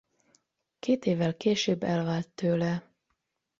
Két évvel később elvált tőle.